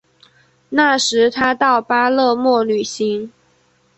那时他到巴勒莫旅行。